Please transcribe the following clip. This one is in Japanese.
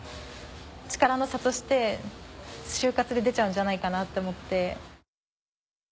力の差として就活で出ちゃうんじゃないかなって思って。